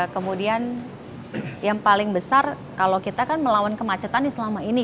kemudian yang paling besar kalau kita kan melawan kemacetan selama ini